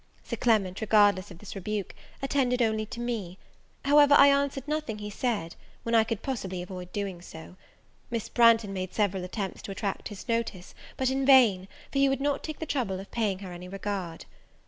Sir Clement, regardless of this rebuke, attended only to me; however I answered nothing he said, when I could possibly avoid so doing. Miss Branghton made several attempts to attract his notice, but in vain, for he would not take the trouble of paying her any regard.